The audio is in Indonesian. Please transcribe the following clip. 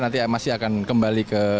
nanti masih akan kembali ke